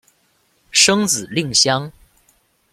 生子令香。